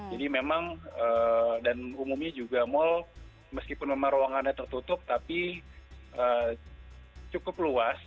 jadi memang dan umumnya juga mall meskipun memang ruangannya tertutup tapi cukup luas